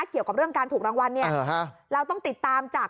เกี่ยวกับเรื่องการถูกรางวัลเนี่ยเราต้องติดตามจาก